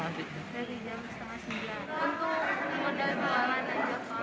dari jam setengah sembilan